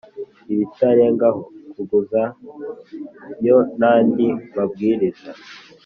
ibitarengaho kunguzanyo nandi mabwiriza